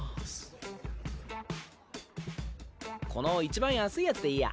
このいちばん安いやつでいいや。